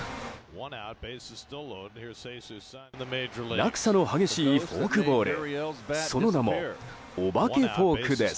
落差の激しいフォークボールその名も、おばけフォークです。